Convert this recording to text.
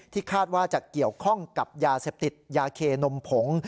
คาดว่าจะเกี่ยวข้องกับยาเสพติดยาเคนมผง